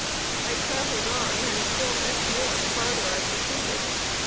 I traveled on, and still met more the farther I proceeded.